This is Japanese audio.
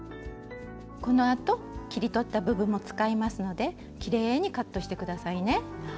このあと切り取った部分も使いますのできれいにカットして下さいね。